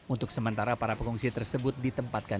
untuk sementara para pengungsi tersebut ditempatkan